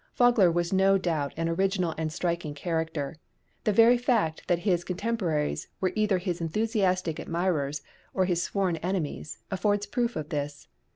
Vogler was no doubt an original and striking character; the very fact that his contemporaries were either his enthusiastic admirers or his sworn enemies affords proof of this.